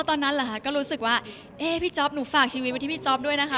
ตอนนั้นเหรอคะก็รู้สึกว่าเอ๊ะพี่จ๊อปหนูฝากชีวิตไว้ที่พี่จ๊อปด้วยนะคะ